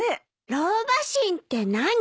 ロウバシンって何？